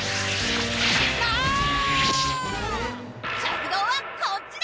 食堂はこっちだ！